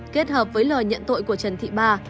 kết hợp với lời nhận tội của trần thị ba